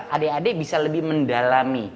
adik adik bisa lebih mendalami